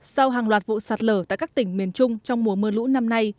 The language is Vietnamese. sau hàng loạt vụ sạt lở tại các tỉnh miền trung trong mùa mưa lũ năm nay